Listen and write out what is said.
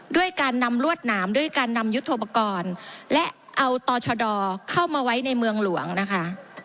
ด้วยการนำรวดหนามด้วยการนำยุทธโปรกรณ์และเอาต่อชดเข้ามาไว้ในเมืองหลวงนะคะ